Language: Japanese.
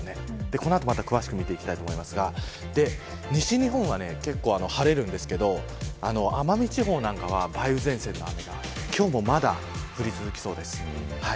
この後、また詳しく見ていきたいと思いますが西日本はけっこう晴れるんですけど奄美地方なんかは梅雨前線が今日もまだ降り続きそうです。